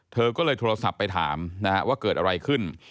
เธอก็เลยโทรศัพท์ไปถามว่าเกิดอะไรขึ้น